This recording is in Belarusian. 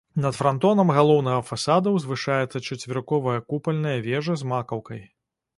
Над франтонам галоўнага фасада ўзвышаецца чацверыковая купальная вежа з макаўкай.